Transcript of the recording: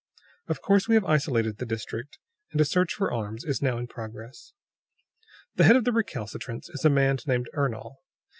Of course, we have isolated the district, and a search for arms is now in progress. "The head of the recalcitrants is a man named Ernol.